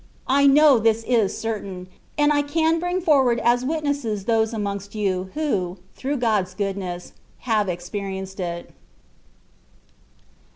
I know this is certain; and I can bring forward as witnesses those amongst you, who, through God^s goodness, have experienced it.